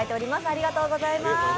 ありがとうございます。